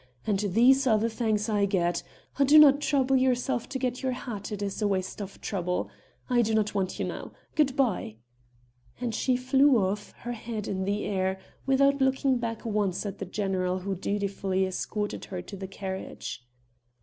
And these are the thanks I get!... Do not trouble yourself to get your hat, it is waste of trouble; I do not want you now. Good bye." And she flew off, her head in the air, without looking back once at the general who dutifully escorted her to the carriage.